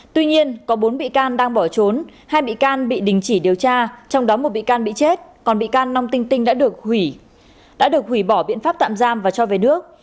tuy nhiên có bốn bị can đang bỏ trốn hai bị can bị đình chỉ điều tra trong đó một bị can bị chết còn bị can nong tinh tinh đã được hủy bỏ biện pháp tạm giam và cho về nước